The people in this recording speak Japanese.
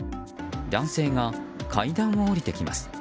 男性が階段を下りてきます。